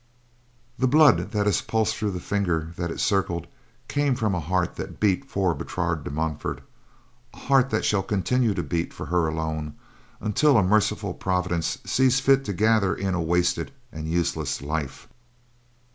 "The blood that has pulsed through the finger that it circled came from a heart that beat for Bertrade de Montfort; a heart that shall continue to beat for her alone until a merciful providence sees fit to gather in a wasted and useless life.